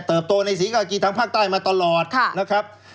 ตัวในศรีกากีทางภาคใต้มาตลอดนะครับ